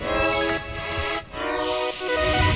รับพลาด